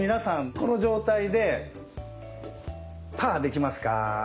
この状態で「パー」できますか？